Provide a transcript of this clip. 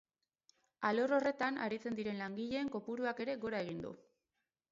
Alor horretan aritzen diren langileen kopuruak ere gora egin du.